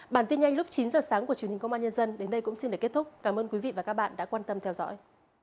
bản tin nhanh lúc chín giờ sáng của truyền hình công an nhân dân đến đây cũng xin để kết thúc cảm ơn quý vị và các bạn đã quan tâm theo dõi